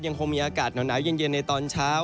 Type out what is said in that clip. ยังคงมีอากาศหนาวเย็นในตอนเช้า